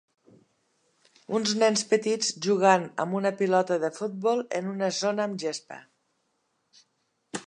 Uns nens petits jugant amb una pilota de futbol en una zona amb gespa.